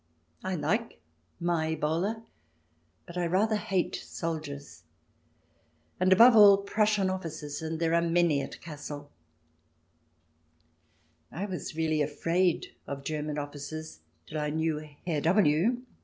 I like Mai Bowie, but I rather hate soldiers ; and, above all, Prussian officers, and there are many at Kassel. I was really afraid of German officers till I knew Herr W